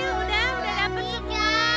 udah udah dapet semua